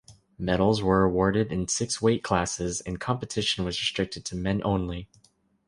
Medals were awarded in six weight classes, and competition was restricted to men only.